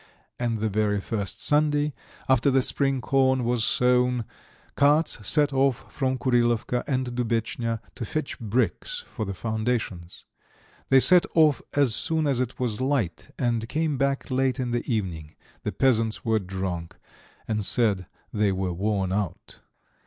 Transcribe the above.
And the very first Sunday after the spring corn was sown carts set off from Kurilovka and Dubetchnya to fetch bricks for the foundations. They set off as soon as it was light, and came back late in the evening; the peasants were drunk, and said they were worn out.